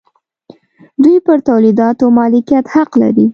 دوی پر تولیداتو مالکیت حق لري.